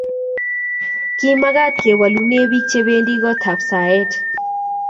ki mekat ke wolune biik che bendi kootab saet